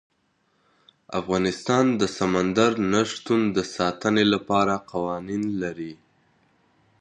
افغانستان د سمندر نه شتون د ساتنې لپاره قوانین لري.